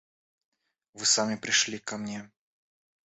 Вы сами пришли ко мне.